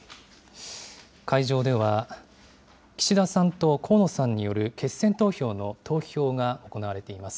会場では、岸田さんと河野さんによる決選投票の投票が行われています。